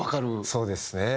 そうですね。